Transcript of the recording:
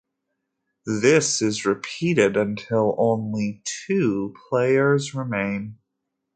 This is repeated until only two players remain.